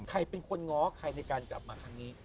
ใครเป็นคนง้อใครในการกลับมาครั้งนี้